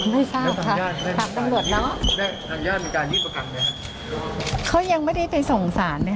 ไม่ทราบค่ะตามตำหนท์เนอะ